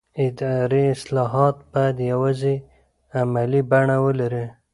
اداري اصلاحات باید یوازې عملي بڼه ولري